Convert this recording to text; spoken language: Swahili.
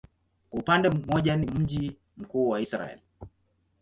Kwa upande mmoja ni mji mkuu wa Israel.